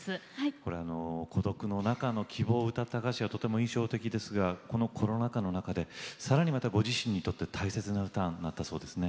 これ孤独の中の希望を歌った歌詞がとても印象的ですがこのコロナ禍の中でさらにまたご自身にとって大切な歌になったそうですね。